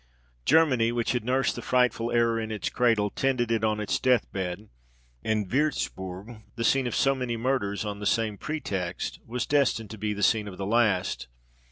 Germany, which had nursed the frightful error in its cradle, tended it on its death bed, and Würzburg, the scene of so many murders on the same pretext, was destined to be the scene of the last.